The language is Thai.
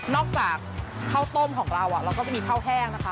จากข้าวต้มของเราเราก็จะมีข้าวแห้งนะคะ